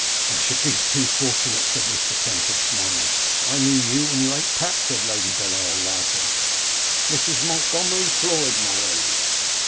'I should be too fortunate,' said Mr. Temple, smiling. 'I knew you when you ate pap,' said Lady Bellair, laughing. 'Mrs. Montgomery Floyd, my lady.